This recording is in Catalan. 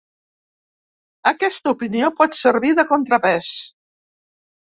Aquesta opinió pot servir de contrapès.